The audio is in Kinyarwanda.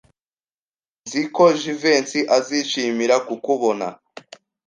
Nzi ko Jivency azishimira kukubona.